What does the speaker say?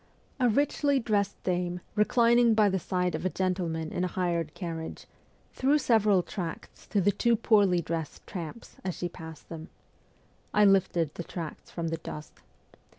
A richly dressed dame, reclining by the side of a gentleman in a hired carriage, threw several tracts to the two poorly dressed tramps, as she passed them. I lifted the tracts from the dust.